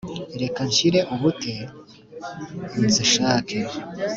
reka nshire ubute nzishake